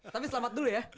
tapi selamat dulu ya